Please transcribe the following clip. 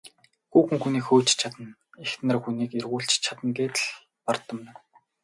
Хүүхэн хүнийг хөөж ч чадна, эхнэр хүнийг эргүүлж ч чадна гээд гэж бардамнана.